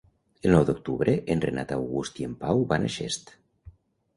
El nou d'octubre en Renat August i en Pau van a Xest.